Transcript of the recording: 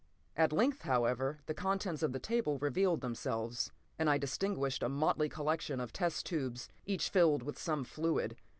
At length, however, the contents of the table revealed themselves, and I distinguished a motley collection of test tubes, each filled with some fluid.